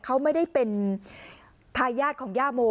เขาไม่ได้เป็นทายาทของย่าโม